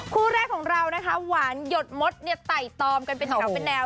คู่แรกของเรานะคะหวานหยดมดเนี่ยไต่ตอมกันเป็นแถวเป็นแนว